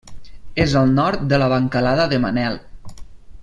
És al nord de la Bancalada de Manel.